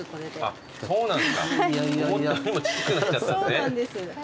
そうなんです。